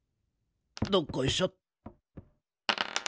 どっこいしょ。